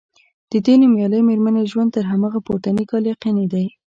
د دې نومیالۍ میرمنې ژوند تر همدغه پورتني کال یقیني دی.